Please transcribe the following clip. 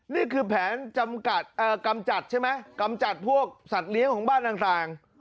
นี่คือแผนจำใช่ไหมกำจัดพวกสัตว์เลี้ยงของบ้านต่าง